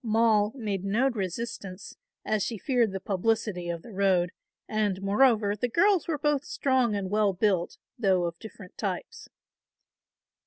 Moll made no resistance, as she feared the publicity of the road and moreover the girls were both strong and well built, though of different types.